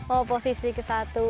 oh posisi ke satu